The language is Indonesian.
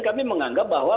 kami menganggap bahwa